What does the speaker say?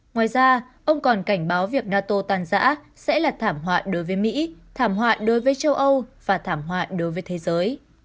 ngoài ra ông còn cảnh báo việc nato tàn giã sẽ là thảm họa đối với mỹ thảm họa đối với châu âu và thảm họa đối với thế giới